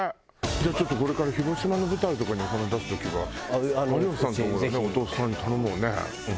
じゃあちょっとこれから広島の舞台とかにお花出す時は有吉さんとこの弟さんに頼もうね。